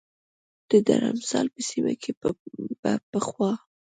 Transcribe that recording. د درمسال په سیمه کې به پخوا